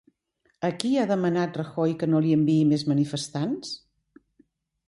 A qui ha demanat Rajoy que no li enviï més manifestants?